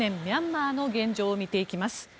ミャンマーの現状を見ていきます。